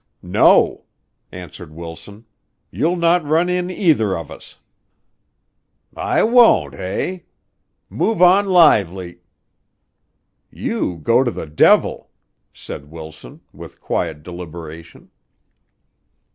"No," answered Wilson, "you'll not run in either of us." "I won't, eh? Move on lively " "You go to the devil," said Wilson, with quiet deliberation.